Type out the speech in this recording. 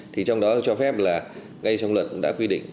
thì trong đó cho phép là ngay trong luận đã quy định